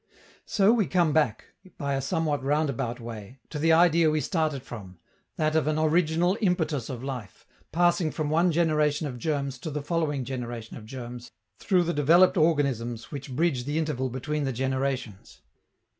So we come back, by a somewhat roundabout way, to the idea we started from, that of an original impetus of life, passing from one generation of germs to the following generation of germs through the developed organisms which bridge the interval between the generations.